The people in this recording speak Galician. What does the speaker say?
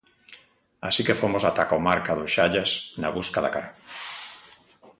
Así que fomos ata a comarca do Xallas, na busca da cara.